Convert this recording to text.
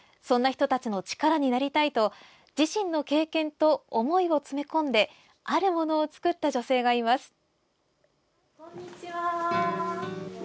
そんな人たちの力になりたいと自身の経験と思いを詰め込んであるものを作った女性がいます。